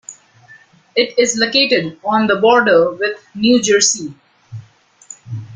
It is located on the border with New Jersey.